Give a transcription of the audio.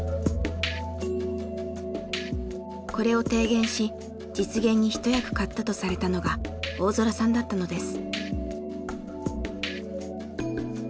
これを提言し実現に一役買ったとされたのが大空さんだったのです。